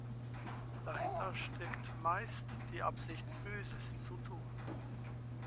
Dahinter steckt meist die Absicht, Böses zu tun.